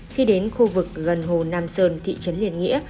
khi đến khu vực gần hồ nam sơn thị trấn liên nghĩa